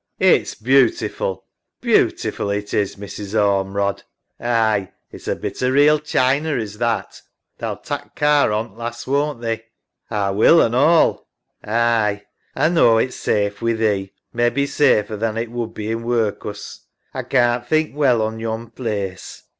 It's beautiful. Beautiful, it is, Mrs. Ormerod. SARAH. Aye, it's a bit o' real china is that. Tha'll tak' care on't, lass, won't thee? EMMA. A will an' all. SARAH. Aye. A knaw it's safe wi' thee. Mebbe safer than it would be in workus. A can't think well on yon plaice.